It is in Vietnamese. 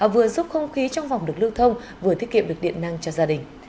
vừa giúp không khí trong vòng được lưu thông vừa tiết kiệm được điện năng cho gia đình